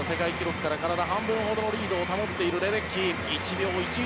自信の世界記録から体半分ほどのリードを保っているレデッキー１秒１２